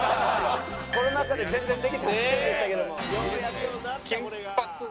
コロナ禍で全然できてませんでしたけども。